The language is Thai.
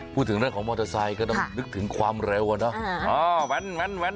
พูดถึงเรื่องของมอเตอร์ไซค์ก็ต้องนึกถึงความเร็วอะเนาะ